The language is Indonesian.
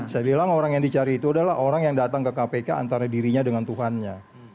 saya bilang orang yang dicari itu adalah orang yang datang ke kpk antara dirinya dengan tuhannya